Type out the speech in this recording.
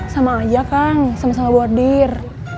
sama aja kang sama sama bordir